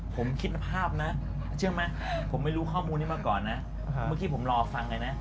ผมคิดภาพนะเชื่อไหมผมไม่รู้ข้อมูลนี้มาก่อนนะเมื่อกี้ผมรอฟังเลยนะ